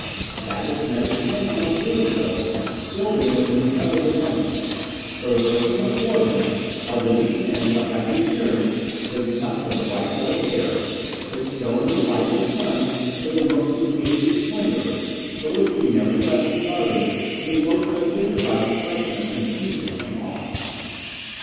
That which met his attention on doing so filled him with an intelligent wonder, for the person before him held in his hand what had the appearance of a tuft of bright yellow hair, which shone in the light of the sun with a most engaging splendour, but which he nevertheless regarded with a most undignified expression of confusion and awe.